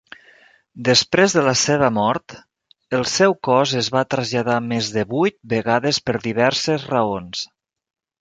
Després de la seva mort, el seu cos es va traslladar més de vuit vegades per diverses raons.